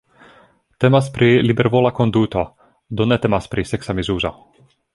Temas pri libervola konduto, do ne temas pri seksa misuzo.